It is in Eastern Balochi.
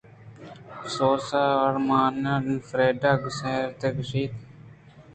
افسوسءُارمانفریڈاءَگینسارتے کش اِتءُگوٛشت